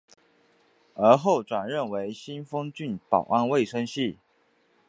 而后转任为新丰郡保安卫生系。